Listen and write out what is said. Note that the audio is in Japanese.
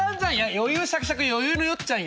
余裕しゃくしゃく余裕のよっちゃんよ。